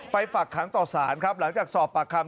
ฝากขังต่อสารครับหลังจากสอบปากคำ